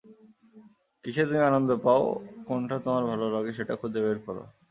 কিসে তুমি আনন্দ পাও, কোনটা তোমার ভালো লাগে, সেটা খুঁজে বের করো।